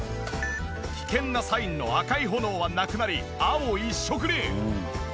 危険なサインの赤い炎はなくなり青一色に！